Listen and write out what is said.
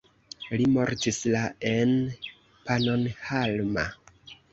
Li mortis la en Pannonhalma.